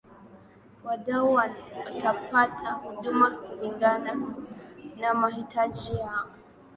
wadau watapata huduma kulingana na mahitaji yao